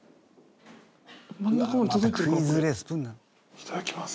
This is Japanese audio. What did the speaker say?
いただきます。